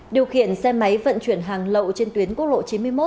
điều khiển xe máy vận chuyển hàng lậu trên tuyến quốc lộ chín mươi một